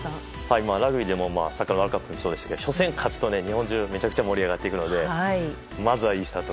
ラグビーでもサッカーワールドカップでもそうでしたが初戦を勝つと日本中めちゃくちゃ盛り上がっていくのでまずはいいスタート。